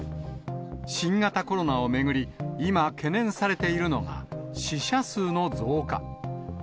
新型コロナを巡り、今、懸念されているのは死者数の増加。